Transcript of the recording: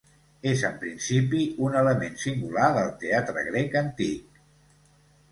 És en principi un element singular del teatre grec antic.